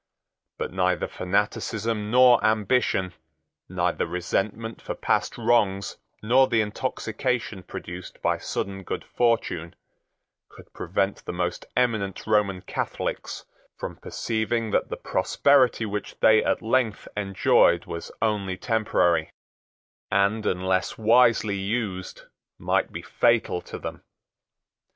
But neither fanaticism nor ambition, neither resentment for past wrongs nor the intoxication produced by sudden good fortune, could prevent the most eminent Roman Catholics from perceiving that the prosperity which they at length enjoyed was only temporary, and, unless wisely used, might be fatal to them.